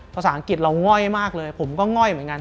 ภาษาอังกฤษเราง่อยมากเลยผมก็ง่อยเหมือนกัน